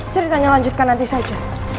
ceritanya lanjutkan nanti saja